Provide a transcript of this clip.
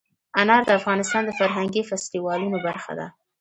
انار د افغانستان د فرهنګي فستیوالونو برخه ده.